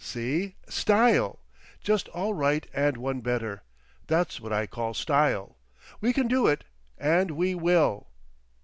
See! Style! Just all right and one better. That's what I call Style. We can do it, and we will."